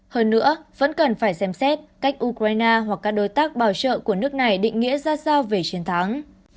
hơn nữa vẫn cần phải xem xét cách ukraine hoặc các đối tác bảo trợ của nước này định nghĩa ra sao về chiến thắng